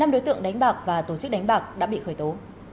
năm đối tượng đánh bạc và tổ chức đánh bạc đã bị khởi tố